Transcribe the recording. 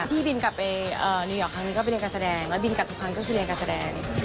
ที่บินกลับไปนิวยอร์กครั้งนี้ก็ไปเรียนการแสดงแล้วบินกลับทุกครั้งก็คือเรียนการแสดง